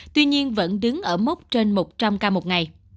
tuy nhiên vẫn đứng ở mốc trên một trăm linh ca một ngày